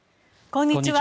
こんにちは。